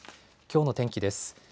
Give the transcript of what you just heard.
きょうの天気です。